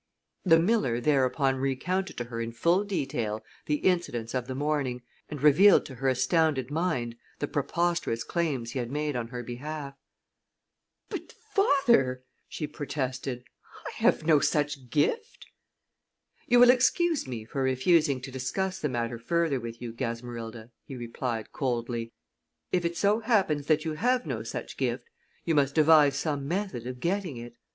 The miller thereupon recounted to her in full detail the incidents of the morning, and revealed to her astounded mind the preposterous claims he had made on her behalf. "But father," she protested, "I have no such gift." "You will excuse me for refusing to discuss the matter further with you, Gasmerilda," he replied, coldly. "If it so happens that you have no such gift you must devise some method of getting it.